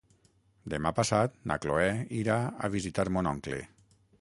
Demà passat na Cloè irà a visitar mon oncle.